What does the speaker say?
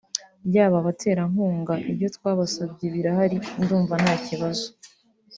yaba abaterankunga ibyo twabasabye birahari ndumva nta kibazo